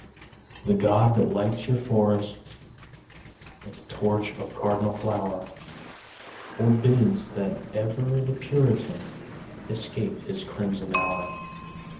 The God that lights your forest With torch of cardinal flower, Forbids that ever the Puritan Escape his crimson hour.